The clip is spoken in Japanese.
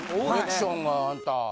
コレクションがあんた。